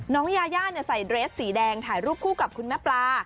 ยาย่าใส่เดรสสีแดงถ่ายรูปคู่กับคุณแม่ปลา